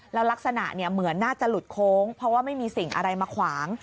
แล้วลักษณะเหมือนน่าจะหลุดโค้งเพราะว่าไม่มีสิ่งอะไรมาขวาง